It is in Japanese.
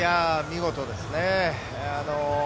見事ですね。